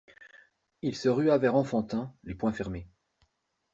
Il se rua vers Enfantin, les poings fermés.